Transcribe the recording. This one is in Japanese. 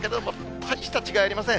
、大した違いありません。